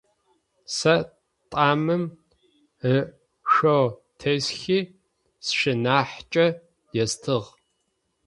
Сэ тӏамым ышъо тесхи, сшынахьыкӀэ естыгъ.